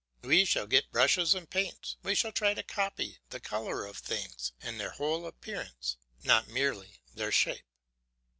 We shall get brushes and paints, we shall try to copy the colours of things and their whole appearance, not merely their shape.